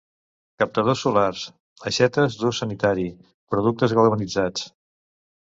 Captadors solars, aixetes d'ús sanitari, productes galvanitzats.